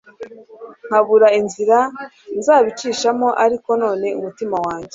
nkabura inzira nzabicishamo ariko none umutima wanjye